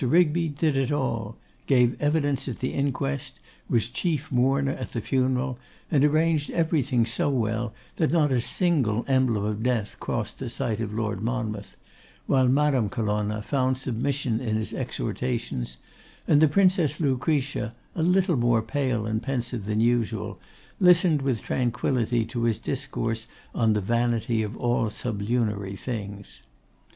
Rigby did it all; gave evidence at the inquest, was chief mourner at the funeral, and arranged everything so well that not a single emblem of death crossed the sight of Lord Monmouth; while Madame Colonna found submission in his exhortations, and the Princess Lucretia, a little more pale and pensive than usual, listened with tranquillity to his discourse on the vanity of all sublunary things.